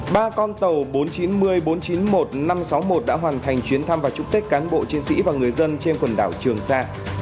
ba con tàu bốn trăm chín mươi bốn trăm chín mươi một năm trăm sáu mươi một đã hoàn thành chuyến thăm và chúc tết cán bộ chiến sĩ và người dân trên quần đảo trường sa